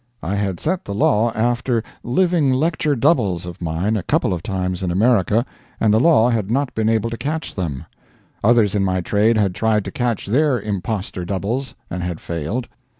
I had set the law after living lecture doubles of mine a couple of times in America, and the law had not been able to catch them; others in my trade had tried to catch their impostor doubles and had failed.